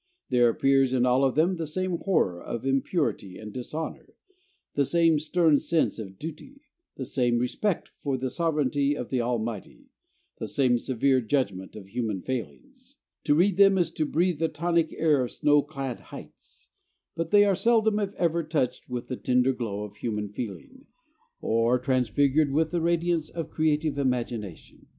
There appears in all of them the same horror of impurity and dishonor, the same stern sense of duty, the same respect for the sovereignty of the Almighty, the same severe judgment of human failings. To read them is to breathe the tonic air of snow clad heights; but they are seldom if ever touched with the tender glow of human feeling or transfigured with the radiance of creative imagination.